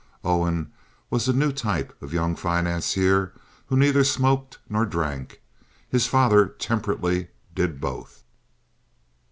Owen was the new type of young financier who neither smoked nor drank. His father temperately did both.